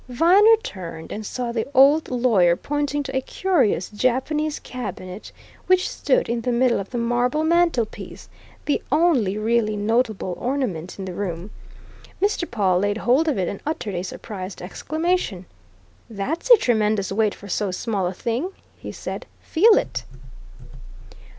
Viner turned and saw the old lawyer pointing to a curious Japanese cabinet which stood in the middle of the marble mantelpiece the only really notable ornament in the room. Mr. Pawle laid hold of it and uttered a surprised exclamation. "That's a tremendous weight for so small a thing!" he said. "Feel it!"